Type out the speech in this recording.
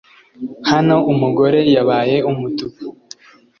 Hano Umugore yabaye umutuku